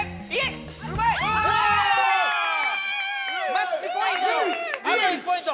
マッチポイント！